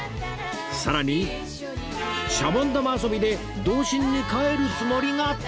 さらにシャボン玉遊びで童心に帰るつもりが